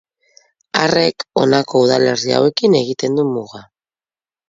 Arrek honako udalerri hauekin egiten du muga.